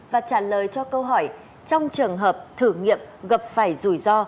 và trả lời cho câu hỏi trong trường hợp thử nghiệm gặp phải rủi ro